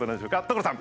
所さん！